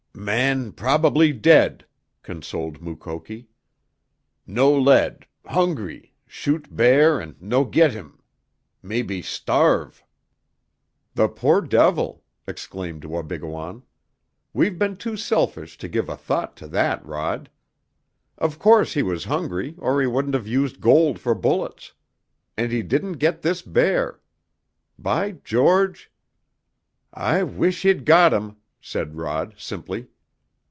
"Man probably dead," consoled Mukoki. "No lead hungry shoot bear an' no git heem. Mebby starve!" "The poor devil!" exclaimed Wabigoon. "We've been too selfish to give a thought to that, Rod. Of course he was hungry, or he wouldn't have used gold for bullets. And he didn't get this bear! By George " "I wish he'd got him," said Rod simply.